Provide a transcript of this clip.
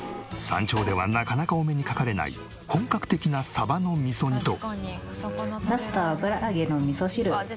山頂ではなかなかお目にかかれない本格的なサバの味噌煮と。